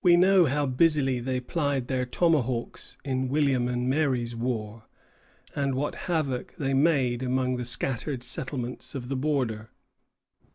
We know how busily they plied their tomahawks in William and Mary's War, and what havoc they made among the scattered settlements of the border.